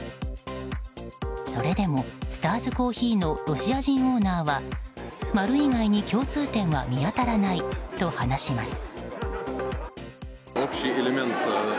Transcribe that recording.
それでも、スターズコーヒーのロシア人オーナーは丸以外に共通点は見当たらないと話します。